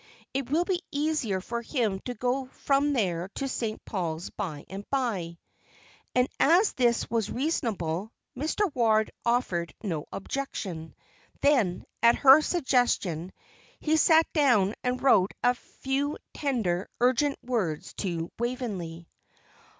"It will be easier for him to go from there to St. Paul's by and bye." And as this was reasonable, Mr. Ward offered no objection. Then, at her suggestion, he sat down and wrote a few tender, urgent words to Waveney.